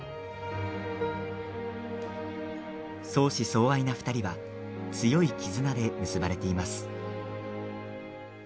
相思相愛な２人は強い絆で結ばれています。